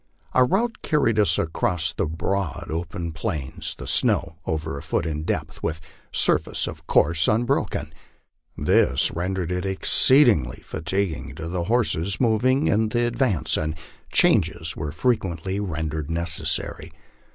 Our route carried us across the broad, open plains, the snow over a foot in depth, with surface of course un broken. This rendered it exceedingly fatiguing to the horses moving in the advance, and changes were frequently rendered necessary.